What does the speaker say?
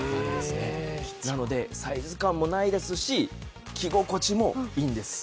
なのでサイズ感ないですし、着心地もいいんです。